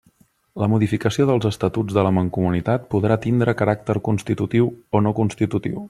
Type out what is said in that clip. La modificació dels Estatuts de la Mancomunitat podrà tindre caràcter constitutiu o no constitutiu.